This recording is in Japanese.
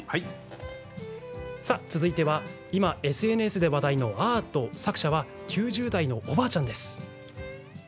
続いては今ＳＮＳで話題のアート作者は９０代のおばあちゃんです。